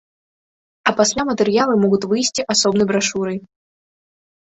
А пасля матэрыялы могуць выйсці асобнай брашурай.